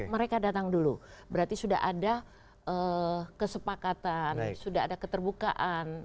mereka datang dulu berarti sudah ada kesepakatan sudah ada keterbukaan